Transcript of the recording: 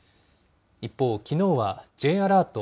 一方、きのうはＪアラート